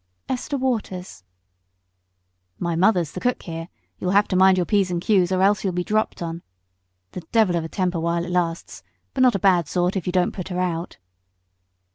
"Esther Waters." "My mother's the cook here; you'll have to mind your p's and q's or else you'll be dropped on. The devil of a temper while it lasts, but not a bad sort if you don't put her out."